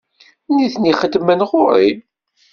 Nitni xeddmen ɣer-i.